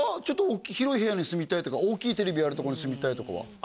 ちょっと広い部屋に住みたいとか大きいテレビあるとこに住みたいとかは？